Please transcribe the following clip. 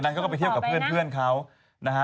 เขาก็ไปเที่ยวกับเพื่อนเขานะฮะ